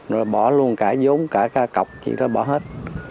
rồi bỏ luôn cả giống cả cọc thì bỏ hết